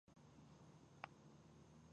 د هغه مخ د قهر له امله سور شو